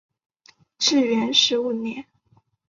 至元十五年。